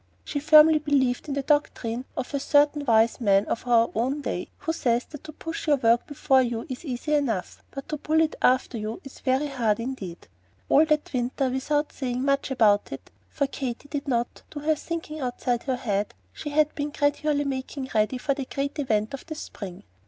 She firmly believed in the doctrine of a certain wise man of our own day who says that to push your work before you is easy enough, but to pull it after you is very hard indeed. All that winter, without saying much about it, for Katy did not "do her thinking outside her head," she had been gradually making ready for the great event of the spring.